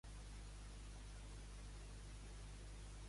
Conservaria la seva fe amb Gregson pel dia o dos promesos.